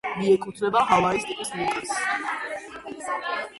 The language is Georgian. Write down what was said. მიეკუთვნება ჰავაის ტიპის ვულკანს.